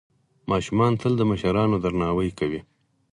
ماشومان تل د مشرانو درناوی کوي.